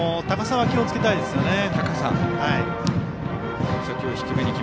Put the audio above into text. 高さは気をつけたいですね。